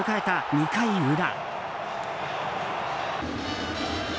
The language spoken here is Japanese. ２回裏。